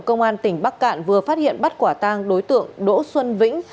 công an tỉnh bắc cạn vừa phát hiện bắt quả tang đối tượng đỗ xuân vĩnh